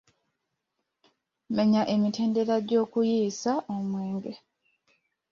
Menya emitendera gy'okuyiisa omwenge?